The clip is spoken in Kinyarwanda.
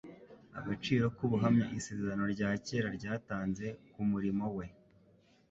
agaciro k'ubuhamya Isezerano rya kera ryatanze ku murimo we.